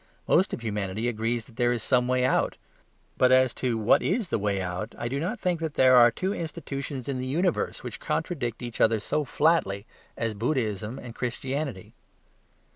Most of humanity agrees that there is some way out. But as to what is the way out, I do not think that there are two institutions in the universe which contradict each other so flatly as Buddhism and Christianity.